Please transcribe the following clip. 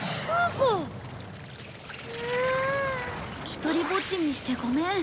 ひとりぼっちにしてごめん。